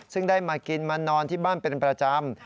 ซึ่งได้มากินมานอนที่บ้านเป็นประจำ